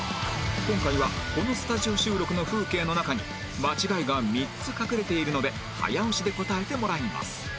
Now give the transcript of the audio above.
今回はこのスタジオ収録の風景の中に間違いが３つ隠れているので早押しで答えてもらいます